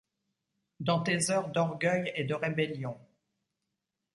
Dans tes heures d’orgueil et de rébellion